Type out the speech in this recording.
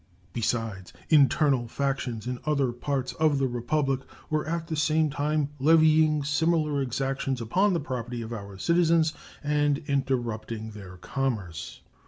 Besides, internal factions in other parts of the Republic were at the same time levying similar exactions upon the property of our citizens and interrupting their commerce.